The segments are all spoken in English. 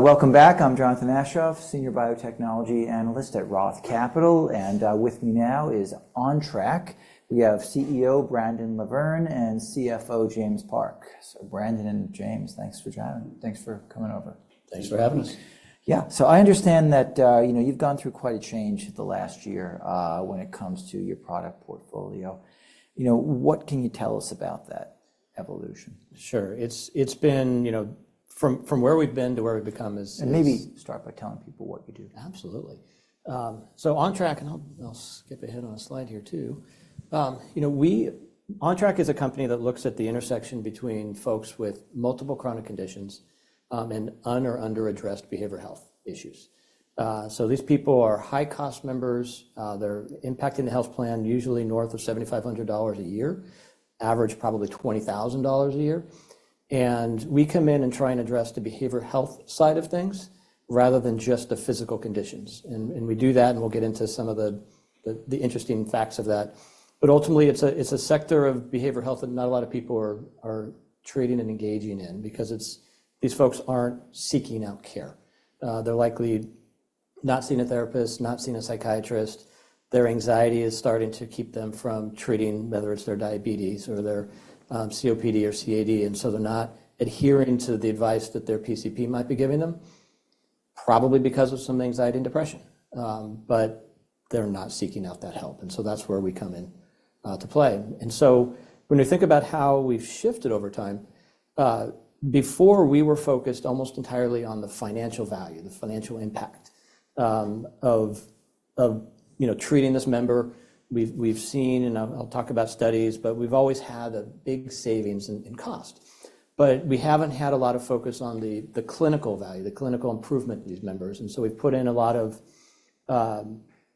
Welcome back. I'm Jonathan Aschoff, Senior Biotechnology Analyst at Roth Capital, and with me now is Ontrak. We have CEO Brandon LaVerne and CFO James Park. So Brandon and James, thanks for joining. Thanks for coming over. Thanks for having us. Thanks for having us. Yeah. So I understand that, you know, you've gone through quite a change the last year, when it comes to your product portfolio. You know, what can you tell us about that evolution? Sure. It's been, you know, from where we've been to where we've become is- Maybe start by telling people what you do. Absolutely. So Ontrak, and I'll skip ahead on a slide here too. You know, Ontrak is a company that looks at the intersection between folks with multiple chronic conditions, and un or under-addressed behavioral health issues. So these people are high-cost members. They're impacting the health plan, usually north of $7,500 a year, average probably $20,000 a year. And we come in and try and address the behavioral health side of things rather than just the physical conditions. And we do that, and we'll get into some of the interesting facts of that. But ultimately, it's a sector of behavioral health that not a lot of people are treating and engaging in because it's these folks aren't seeking out care. They're likely not seeing a therapist, not seeing a psychiatrist. Their anxiety is starting to keep them from treating, whether it's their diabetes or their COPD or CAD. And so they're not adhering to the advice that their PCP might be giving them, probably because of some anxiety and depression. But they're not seeking out that help, and so that's where we come in, to play. And so when we think about how we've shifted over time, before we were focused almost entirely on the financial value, the financial impact, of you know, treating this member. We've seen, and I'll talk about studies, but we've always had a big savings in cost. But we haven't had a lot of focus on the clinical value, the clinical improvement of these members, and so we've put in a lot of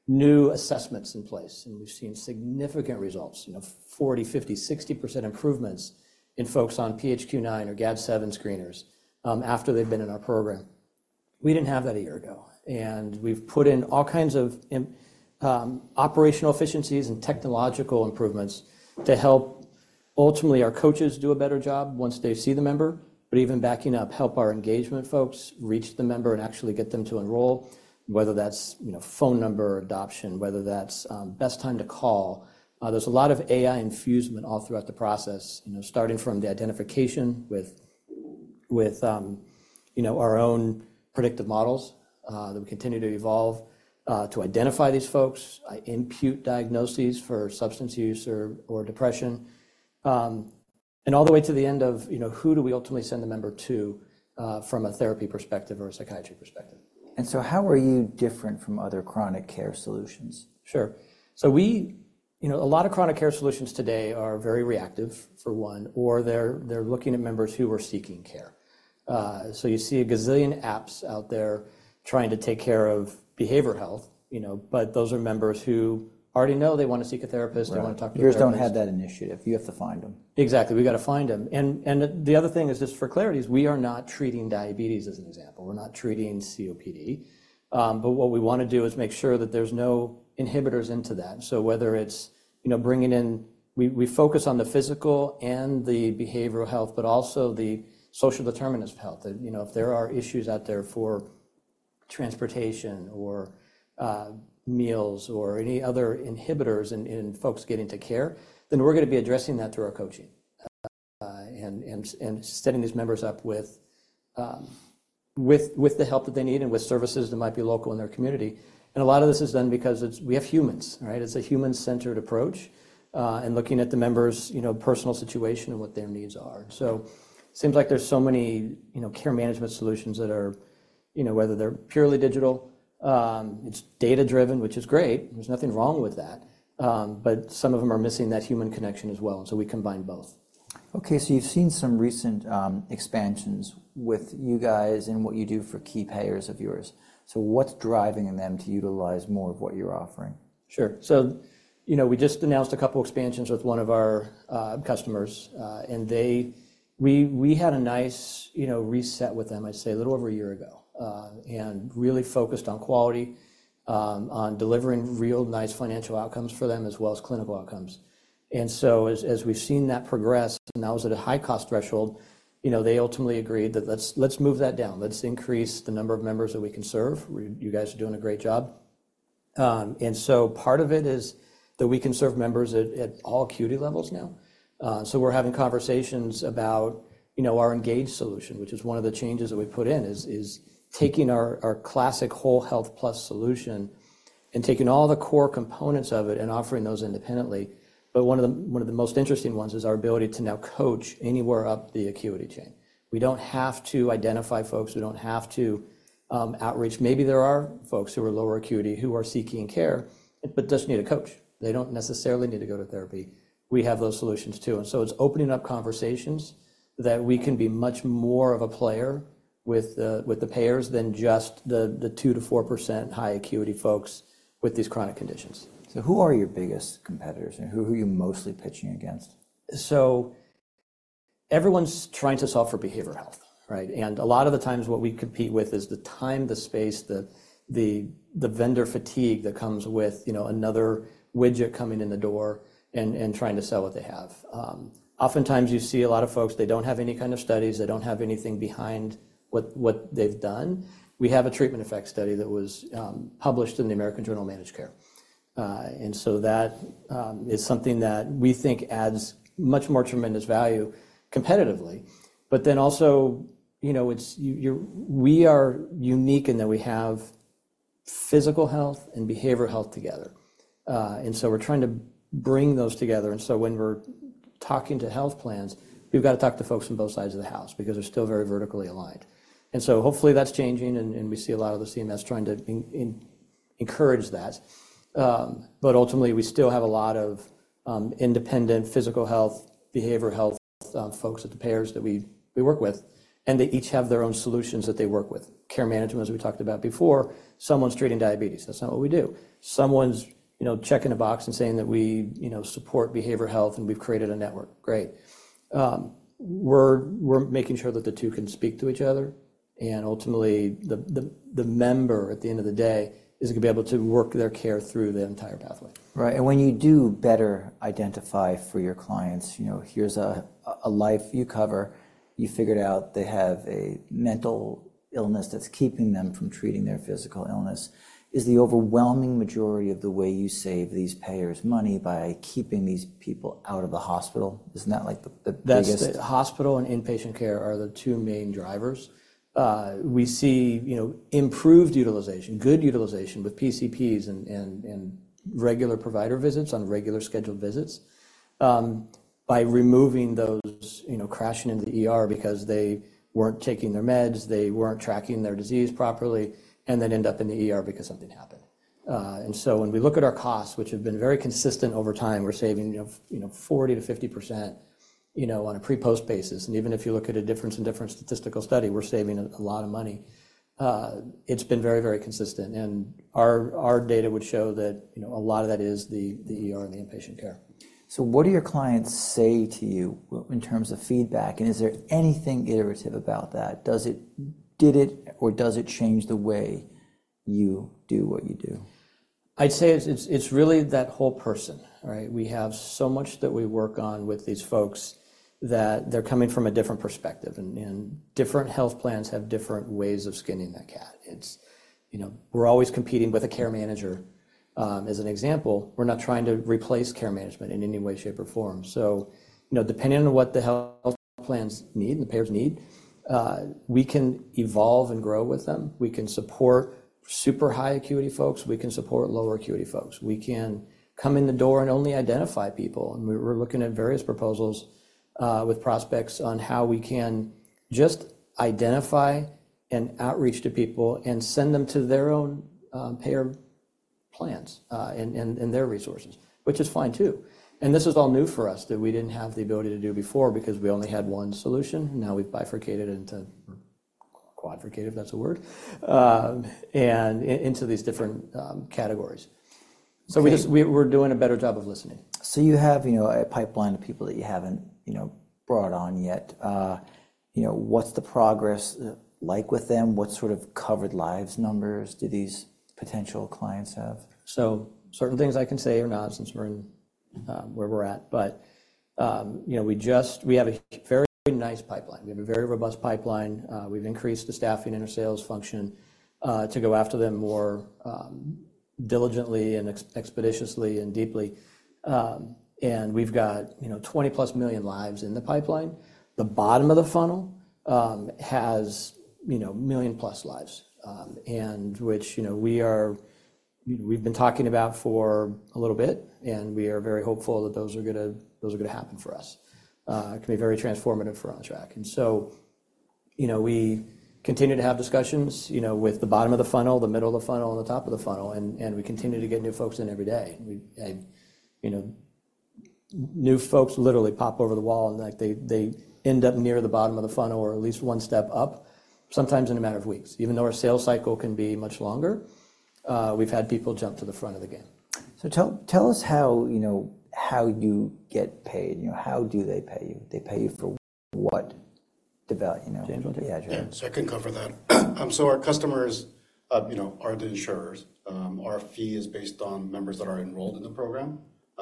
new assessments in place, and we've seen significant results. You know, 40%, 50%, 60% improvements in folks on PHQ-9 or GAD-7 screeners after they've been in our program. We didn't have that a year ago, and we've put in all kinds of operational efficiencies and technological improvements to help ultimately our coaches do a better job once they see the member. But even backing up, help our engagement folks reach the member and actually get them to enroll, whether that's, you know, phone number adoption, whether that's best time to call. There's a lot of AI infused all throughout the process, you know, starting from the identification with you know, our own predictive models that we continue to evolve to identify these folks, impute diagnoses for substance use or depression, and all the way to the end of, you know, who do we ultimately send the member to from a therapy perspective or a psychiatry perspective? How are you different from other chronic care solutions? Sure. So, you know, a lot of chronic care solutions today are very reactive, for one, or they're looking at members who are seeking care. So you see a gazillion apps out there trying to take care of behavioral health, you know, but those are members who already know they want to seek a therapist- Right. or want to talk to a therapist. Yours don't have that initiative. You have to find them. Exactly. We've got to find them. And the other thing is, just for clarity, is we are not treating diabetes as an example. We're not treating COPD. But what we want to do is make sure that there's no inhibitors into that. So whether it's, you know, bringing in... We focus on the physical and the behavioral health, but also the social determinants of health. That, you know, if there are issues out there for transportation or meals or any other inhibitors in folks getting to care, then we're gonna be addressing that through our coaching and setting these members up with the help that they need and with services that might be local in their community. And a lot of this is done because it's we have humans, right? It's a human-centered approach, and looking at the member's, you know, personal situation and what their needs are. So seems like there's so many, you know, care management solutions that are, you know, whether they're purely digital, it's data-driven, which is great. There's nothing wrong with that. But some of them are missing that human connection as well. So we combine both. Okay, so you've seen some recent expansions with you guys and what you do for key payers of yours. So what's driving them to utilize more of what you're offering? Sure. So, you know, we just announced a couple of expansions with one of our customers, and they—we had a nice, you know, reset with them, I'd say, a little over a year ago, and really focused on quality, on delivering real nice financial outcomes for them, as well as clinical outcomes. And so as we've seen that progress, and that was at a high-cost threshold, you know, they ultimately agreed that let's move that down. Let's increase the number of members that we can serve. You guys are doing a great job. And so part of it is that we can serve members at all acuity levels now. So we're having conversations about, you know, our Engage solution, which is one of the changes that we've put in, is taking our classic Whole Health Plus solution and taking all the core components of it and offering those independently. But one of the most interesting ones is our ability to now coach anywhere up the acuity chain. We don't have to identify folks. We don't have to outreach. Maybe there are folks who are lower acuity, who are seeking care, but just need a coach. They don't necessarily need to go to therapy. We have those solutions, too, and so it's opening up conversations that we can be much more of a player with the payers than just the 2%-4% high acuity folks with these chronic conditions. So who are your biggest competitors, and who are you mostly pitching against? So everyone's trying to solve for behavioral health, right? And a lot of the times, what we compete with is the time, the space, the vendor fatigue that comes with, you know, another widget coming in the door and trying to sell what they have. Oftentimes, you see a lot of folks, they don't have any kind of studies. They don't have anything behind what they've done. We have a treatment effect study that was published in The American Journal of Managed Care. And so that is something that we think adds much more tremendous value competitively. But then also, you know, it's we are unique in that we have physical health and behavioral health together. And so we're trying to bring those together, and so when we're talking to health plans, we've got to talk to folks on both sides of the house because they're still very vertically aligned. And so, hopefully, that's changing, and we see a lot of the CMS trying to encourage that. But ultimately, we still have a lot of independent physical health, behavioral health folks at the payers that we work with, and they each have their own solutions that they work with. Care management, as we talked about before, someone's treating diabetes. That's not what we do. Someone's, you know, checking a box and saying that we, you know, support behavioral health, and we've created a network. Great. We're making sure that the two can speak to each other, and ultimately, the member, at the end of the day, is gonna be able to work their care through the entire pathway. Right. And when you do better identify for your clients, you know, here's a life you cover. You figured out they have a mental illness that's keeping them from treating their physical illness. Is the overwhelming majority of the way you save these payers money by keeping these people out of the hospital? Isn't that, like, the biggest- That's the hospital and inpatient care are the two main drivers. We see, you know, improved utilization, good utilization with PCPs and regular provider visits on regular scheduled visits, by removing those, you know, crashing into the ER because they weren't taking their meds, they weren't tracking their disease properly, and then end up in the ER because something happened. And so when we look at our costs, which have been very consistent over time, we're saving, you know, you know, 40%-50%, you know, on a pre-post basis, and even if you look at a difference and different statistical study, we're saving a lot of money. It's been very, very consistent, and our data would show that, you know, a lot of that is the ER and the inpatient care. So what do your clients say to you in terms of feedback, and is there anything iterative about that? Does it, did it, or does it change the way you do what you do? I'd say it's really that whole person, right? We have so much that we work on with these folks, that they're coming from a different perspective and different health plans have different ways of skinning that cat. It's, you know, we're always competing with a care manager. As an example, we're not trying to replace care management in any way, shape, or form. So, you know, depending on what the health plans need and the payers need, we can evolve and grow with them. We can support super high acuity folks. We can support lower acuity folks. We can come in the door and only identify people, and we're looking at various proposals with prospects on how we can just identify and outreach to people and send them to their own payer plans, and their resources, which is fine, too. And this is all new for us, that we didn't have the ability to do before because we only had one solution. Now we've bifurcated into quadricated, if that's a word, and into these different categories. Okay. We just, we're doing a better job of listening. So you have, you know, a pipeline of people that you haven't, you know, brought on yet. You know, what's the progress like with them? What sort of covered lives numbers do these potential clients have? So certain things I can say or not, since we're in where we're at. But you know, we just we have a very nice pipeline. We have a very robust pipeline. We've increased the staffing in our sales function to go after them more diligently and expeditiously and deeply. And we've got, you know, 20+ million lives in the pipeline. The bottom of the funnel has, you know, million-plus lives. And which, you know, we we, we've been talking about for a little bit, and we are very hopeful that those are gonna, those are gonna happen for us. It can be very transformative for Ontrak. And so, you know, we continue to have discussions, you know, with the bottom of the funnel, the middle of the funnel, and the top of the funnel, and we continue to get new folks in every day. We, you know, new folks literally pop over the wall, and, like, they, they end up near the bottom of the funnel or at least one step up, sometimes in a matter of weeks. Even though our sales cycle can be much longer, we've had people jump to the front of the game. So tell us how, you know, how you get paid. You know, how do they pay you? They pay you for what? You know- James, want to- Yeah. Yeah, so I can cover that. So our customers, you know, are the insurers. Our fee is based on members that are enrolled in the program.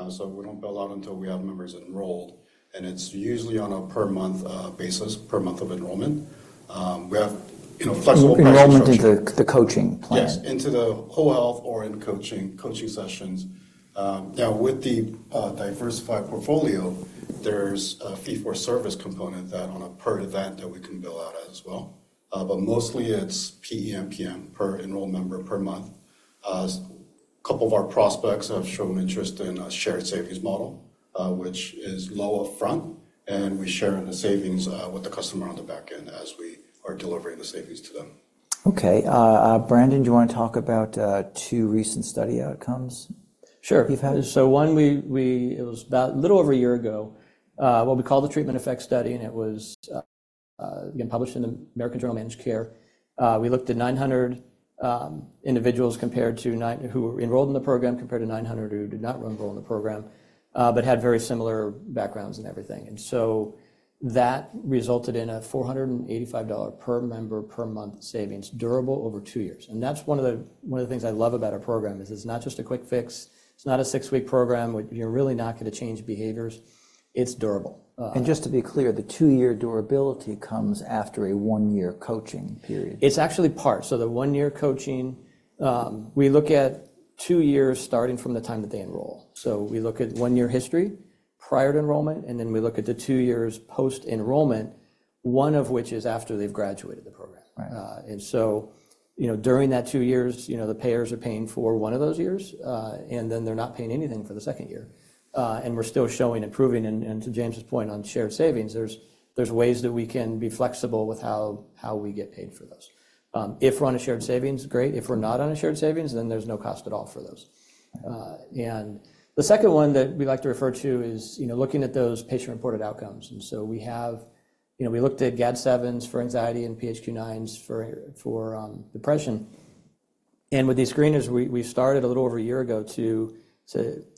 So we don't bill out until we have members enrolled, and it's usually on a per month basis, per month of enrollment. We have, you know, flexible pricing structure- Enrollment into the coaching plans. Yes, into the whole health or in coaching, coaching sessions. Now, with the diversified portfolio, there's a fee-for-service component that on a per event that we can bill out as well. But mostly it's PEMPM, per enrolled member per month. Couple of our prospects have shown interest in a shared savings model, which is low upfront, and we share in the savings, with the customer on the back end as we are delivering the savings to them. Okay, Brandon, do you want to talk about two recent study outcomes? Sure... we've had? So it was about a little over a year ago, what we call the treatment effect study, and it was, again, published in The American Journal of Managed Care. We looked at 900 individuals who were enrolled in the program, compared to 900 who did not enroll in the program, but had very similar backgrounds and everything. And so that resulted in a $485 per member per month savings, durable over two years. And that's one of the, one of the things I love about our program is it's not just a quick fix. It's not a six-week program, where you're really not gonna change behaviors.... it's durable. Just to be clear, the two-year durability comes after a one-year coaching period? It's actually part. So the 1-year coaching, we look at 2 years starting from the time that they enroll. So we look at 1 year history prior to enrollment, and then we look at the 2 years post-enrollment, one of which is after they've graduated the program. Right. And so, you know, during that two years, you know, the payers are paying for one of those years, and then they're not paying anything for the second year. And we're still showing and proving, and to James's point on shared savings, there's ways that we can be flexible with how we get paid for those. If we're on a shared savings, great. If we're not on a shared savings, then there's no cost at all for those. And the second one that we like to refer to is, you know, looking at those patient-reported outcomes, and so we have... You know, we looked at GAD-7s for anxiety and PHQ-9s for depression. And with these screeners, we started a little over a year ago to,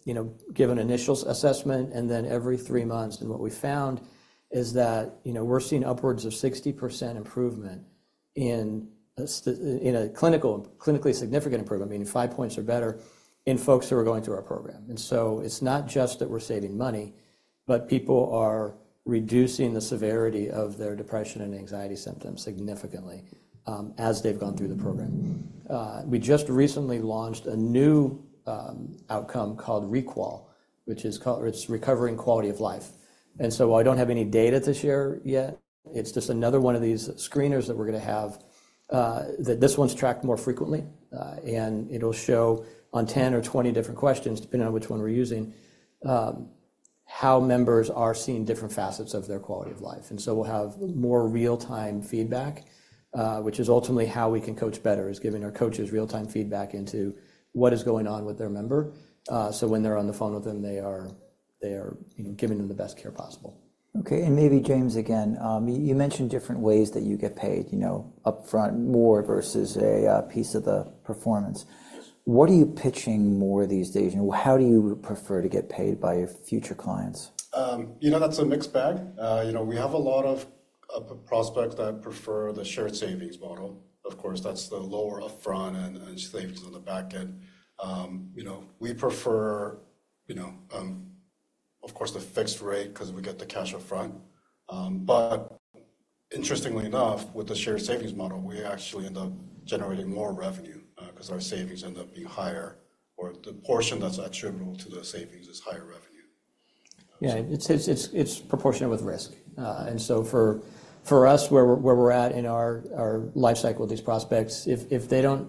you know, give an initial assessment and then every three months. What we found is that, you know, we're seeing upwards of 60% improvement in a clinical, clinically significant improvement, meaning 5 points or better, in folks who are going through our program. So it's not just that we're saving money, but people are reducing the severity of their depression and anxiety symptoms significantly as they've gone through the program. We just recently launched a new outcome called ReQoL, which is Recovering Quality of Life. So while I don't have any data to share yet, it's just another one of these screeners that we're gonna have that this one's tracked more frequently, and it'll show on 10 or 20 different questions, depending on which one we're using, how members are seeing different facets of their quality of life. So we'll have more real-time feedback, which is ultimately how we can coach better, is giving our coaches real-time feedback into what is going on with their member, so when they're on the phone with them, they are, you know, giving them the best care possible. Okay, and maybe James, again, you mentioned different ways that you get paid, you know, upfront more versus a piece of the performance. What are you pitching more these days, and how do you prefer to get paid by your future clients? You know, that's a mixed bag. You know, we have a lot of prospects that prefer the shared savings model. Of course, that's the lower upfront and savings on the back end. You know, we prefer, you know, of course, the fixed rate 'cause we get the cash upfront. But interestingly enough, with the shared savings model, we actually end up generating more revenue, 'cause our savings end up being higher, or the portion that's attributable to the savings is higher revenue. Yeah, it's proportionate with risk. And so for us, where we're at in our life cycle with these prospects, if they don't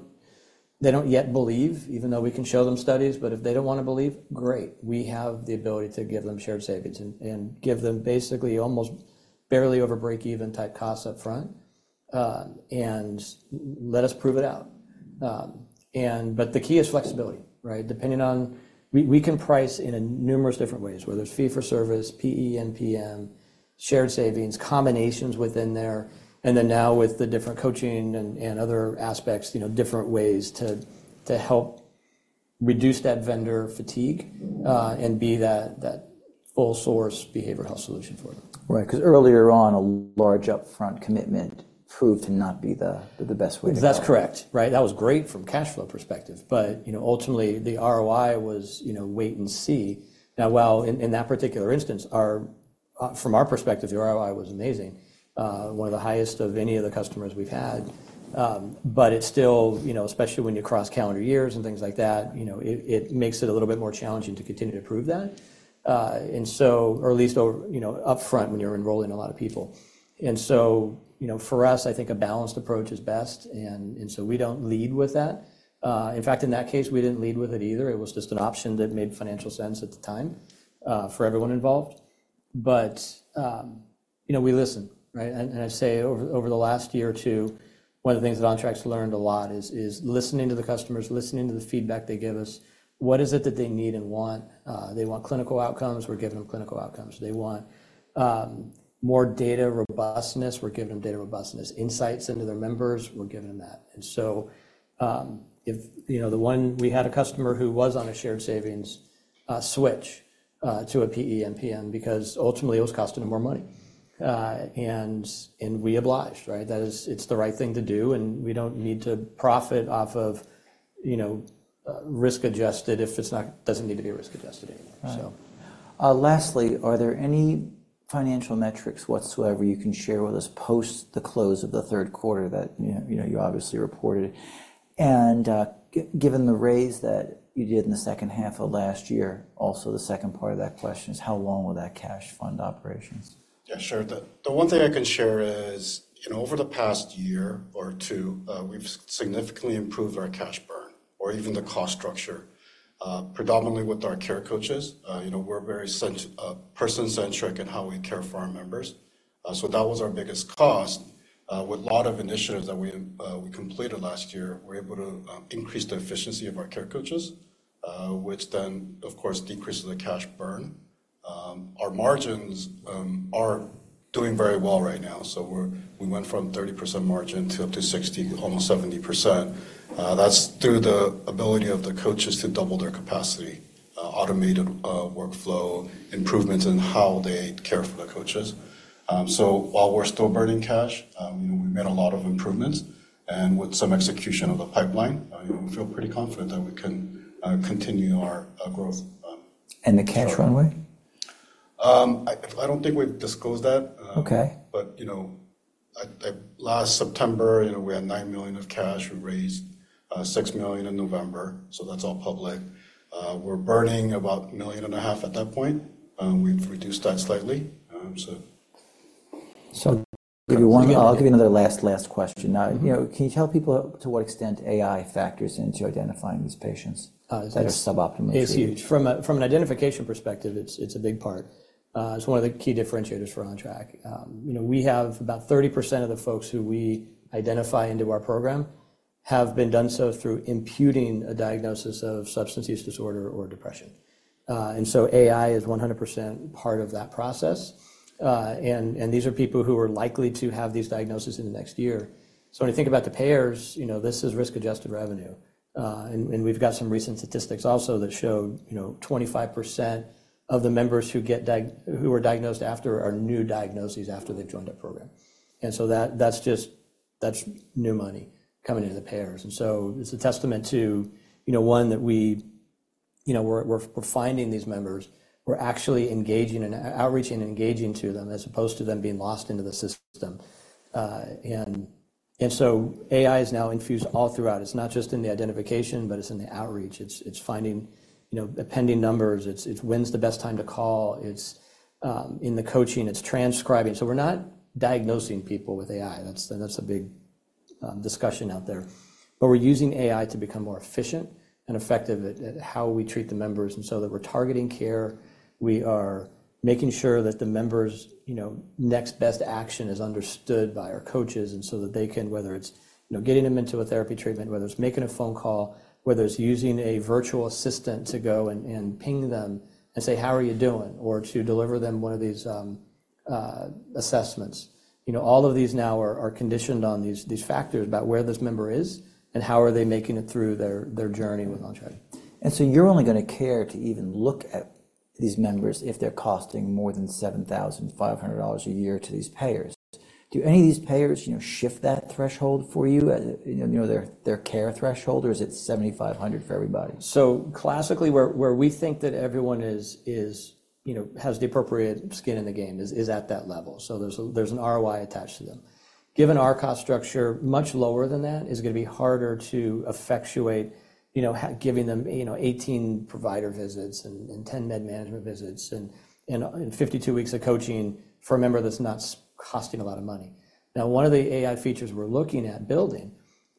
yet believe, even though we can show them studies, but if they don't wanna believe, great, we have the ability to give them shared savings and give them basically almost barely over break-even-type costs up front, and let us prove it out. But the key is flexibility, right? Depending on... We can price in numerous different ways, whether it's fee for service, PEMPM, shared savings, combinations within there, and then now with the different coaching and other aspects, you know, different ways to help reduce that vendor fatigue, and be that all source behavioral health solution for them. Right. 'Cause earlier on, a large upfront commitment proved to not be the best way to go. That's correct. Right. That was great from cash flow perspective, but, you know, ultimately, the ROI was, you know, wait and see. Now, while in that particular instance, our, from our perspective, the ROI was amazing, one of the highest of any of the customers we've had. But it still, you know, especially when you cross calendar years and things like that, you know, it makes it a little bit more challenging to continue to prove that. And so or at least over, you know, upfront when you're enrolling a lot of people. And so, you know, for us, I think a balanced approach is best, and so we don't lead with that. In fact, in that case, we didn't lead with it either. It was just an option that made financial sense at the time, for everyone involved. But you know, we listen, right? And I say over the last year or two, one of the things that Ontrak's learned a lot is listening to the customers, listening to the feedback they give us. What is it that they need and want? They want clinical outcomes, we're giving them clinical outcomes. They want more data robustness, we're giving them data robustness. Insights into their members, we're giving them that. And so, you know, we had a customer who was on a shared savings switch to a PEMPM because ultimately it was costing them more money. And we obliged, right? That is, it's the right thing to do, and we don't need to profit off of, you know, risk-adjusted if it's not, doesn't need to be risk-adjusted anymore, so. Right. Lastly, are there any financial metrics whatsoever you can share with us post the close of the third quarter that you know you obviously reported? And, given the raise that you did in the second half of last year, also the second part of that question is, how long will that cash fund operations? Yeah, sure. The one thing I can share is, you know, over the past year or two, we've significantly improved our cash burn or even the cost structure, predominantly with our care coaches. You know, we're very person-centric in how we care for our members, so that was our biggest cost. With a lot of initiatives that we completed last year, we're able to increase the efficiency of our care coaches, which then, of course, decreases the cash burn. Our margins are doing very well right now, so we went from 30% margin to up to 60%, almost 70%. That's through the ability of the coaches to double their capacity, automated workflow improvements in how they care for the coaches. So while we're still burning cash, we made a lot of improvements... and with some execution of the pipeline, we feel pretty confident that we can continue our growth. The cash runway? I don't think we've disclosed that. Okay. But, you know, at last September, you know, we had $9 million of cash. We raised $6 million in November, so that's all public. We're burning about $1.5 million at that point. We've reduced that slightly. So- So, give you one, I'll give you another last question. Now, you know, can you tell people to what extent AI factors into identifying these patients? Uh, it's- -that are suboptimal? It's huge. From an identification perspective, it's a big part. It's one of the key differentiators for Ontrak. You know, we have about 30% of the folks who we identify into our program have been done so through imputing a diagnosis of substance use disorder or depression. And so AI is 100% part of that process. And these are people who are likely to have these diagnoses in the next year. So when you think about the payers, you know, this is risk-adjusted revenue. And we've got some recent statistics also that show, you know, 25% of the members who are diagnosed after are new diagnoses after they've joined our program. And so that's just new money coming into the payers. And so it's a testament to, you know, one, that we, you know, we're finding these members. We're actually engaging and outreaching and engaging to them, as opposed to them being lost into the system. And so AI is now infused all throughout. It's not just in the identification, but it's in the outreach. It's finding, you know, appending numbers. It's when's the best time to call. It's in the coaching, it's transcribing. So we're not diagnosing people with AI. That's a big discussion out there. But we're using AI to become more efficient and effective at how we treat the members, and so that we're targeting care. We are making sure that the members, you know, next best action is understood by our coaches, and so that they can... Whether it's, you know, getting them into a therapy treatment, whether it's making a phone call, whether it's using a virtual assistant to go and ping them and say, "How are you doing?" Or to deliver them one of these assessments. You know, all of these now are conditioned on these factors about where this member is and how are they making it through their journey with Ontrak. You're only gonna care to even look at these members if they're costing more than $7,500 a year to these payers. Do any of these payers, you know, shift that threshold for you, you know, their, their care threshold, or is it $7,500 for everybody? So classically, where we think that everyone is, you know, has the appropriate skin in the game is at that level, so there's an ROI attached to them. Given our cost structure, much lower than that is gonna be harder to effectuate, you know, giving them, you know, 18 provider visits and 10 med management visits, and 52 weeks of coaching for a member that's not costing a lot of money. Now, one of the AI features we're looking at building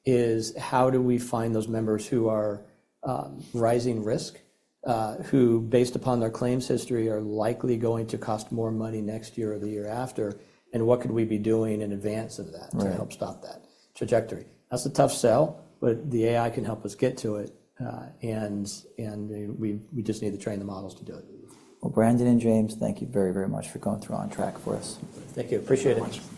is: how do we find those members who are rising risk, who, based upon their claims history, are likely going to cost more money next year or the year after, and what could we be doing in advance of that- Right -to help stop that trajectory? That's a tough sell, but the AI can help us get to it, and we just need to train the models to do it. Well, Brandon and James, thank you very, very much for going through Ontrak for us. Thank you. Appreciate it.